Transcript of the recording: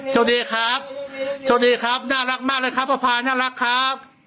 โชคดีครับโชคดีครับน่ารักมากเลยครับป้าพาน่ารักครับ